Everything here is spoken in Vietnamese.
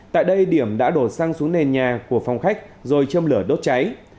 tại đây điểm đã đổ xăng xuống nền nhà của phòng khách rồi châm lửa đốt cháy